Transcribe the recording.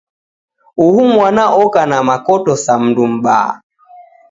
Uhu mwana oka na makoto sa mundu mbaha.